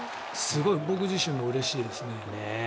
すごい僕自身もうれしいです。